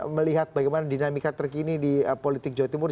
melihat bagaimana dinamika terkini di politik jawa timur